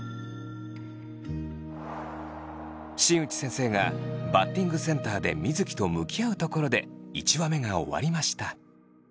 新内先生がバッティングセンターで水城と向き合うところで１話目が終わりました。